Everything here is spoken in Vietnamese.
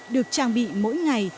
được trang bị mỗi ngày